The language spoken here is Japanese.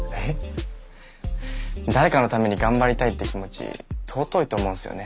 誰かのために頑張りたいって気持ち尊いと思うんすよね。